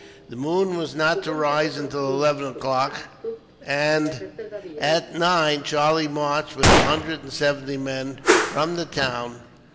The moon was not to rise until eleven o'clock, and at nine Charlie marched, with a hundred and seventy men, from the town.